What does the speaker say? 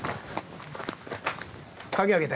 鍵開けて。